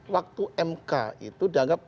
waktu mk itu dianggap